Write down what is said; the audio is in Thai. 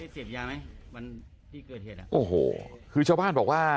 เสพยาไหมวันที่เกิดเหตุอ่ะโอ้โหคือชาวบ้านบอกว่า